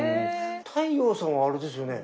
太陽さんはあれですよね。